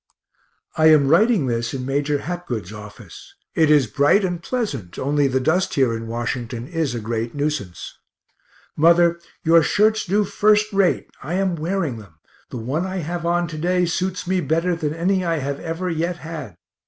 I am writing this in Major Hapgood's office it is bright and pleasant, only the dust here in Washington is a great nuisance. Mother, your shirts do first rate I am wearing them; the one I have on to day suits me better than any I have ever yet had.